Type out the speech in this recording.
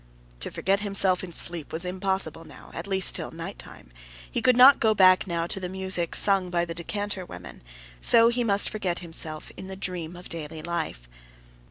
To forget himself in sleep was impossible now, at least till nighttime; he could not go back now to the music sung by the decanter women; so he must forget himself in the dream of daily life.